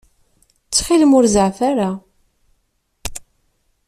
Ttxil-m, ur zeɛɛef ara.